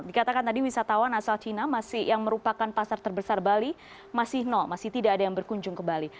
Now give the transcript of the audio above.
dikatakan tadi wisatawan asal cina yang merupakan pasar terbesar bali masih nol masih tidak ada yang berkunjung ke bali